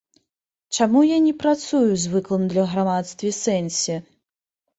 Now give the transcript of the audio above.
Чаму я не працую ў звыклым для грамадства сэнсе?